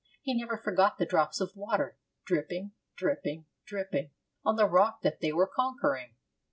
He never forgot the drops of water, dripping, dripping, dripping on the rock that they were conquering.